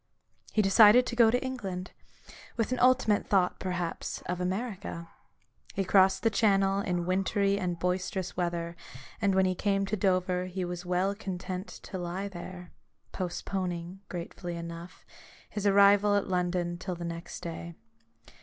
He decided to go to England ; with an ultimate thought, perhaps, of America. He crossed the channel in wintry and boisterous weather, and when he came to Dover he was well content to lie there : postponing, gratefully enough, his arrival at London till the next day.